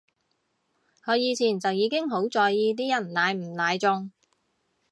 我以前就已經好在意啲人奶唔奶中